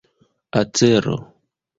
acero